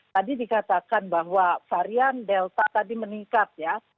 tadi dikatakan bahwa varian delta tadi meningkat ya